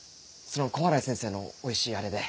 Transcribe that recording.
その小洗先生のおいしいあれで。